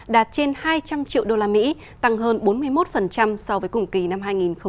đạt trên hai trăm linh triệu usd tăng hơn bốn mươi một so với cùng kỳ năm hai nghìn một mươi chín